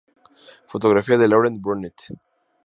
Fotografía de Laurent Brunet.